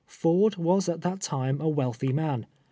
Ford was at that time a wealthy man.